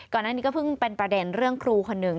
ก่อนหน้านี้ก็เพิ่งเป็นประเด็นเรื่องครูคนหนึ่ง